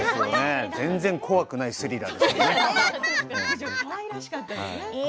全然怖くない「スリラー」でしたね。